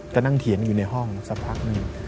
ก็นั่งเถียงอยู่ในห้องสักพักหนึ่ง